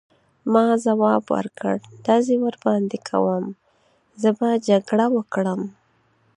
ما ځواب ورکړ: ډزې ورباندې کوم، زه به جګړه وکړم.